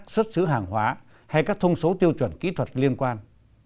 sứ hàng hóa hay các thông số tiêu chuẩn kỹ thuật liên quan